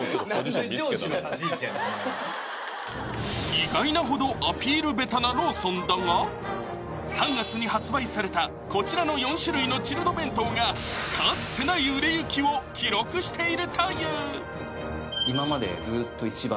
意外なほどアピール下手なローソンだが３月に発売されたこちらの４種類のチルド弁当がかつてない売れ行きを記録しているというあぁ